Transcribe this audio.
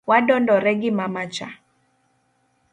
Wadondore gi mama cha.